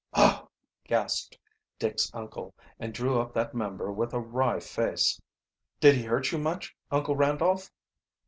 "Oh!" gasped Dick's uncle, and drew up that member with a wry face. "Did he hurt you much, Uncle Randolph?"